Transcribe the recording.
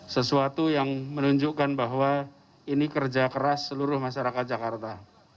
sesuatu yang menunjukkan bahwa ini kerja keras seluruh masyarakat jakarta